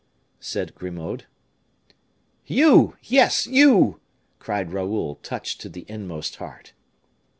said Grimaud. "You, yes, you!" cried Raoul, touched to the inmost heart.